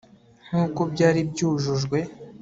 nkuko byari byujujwe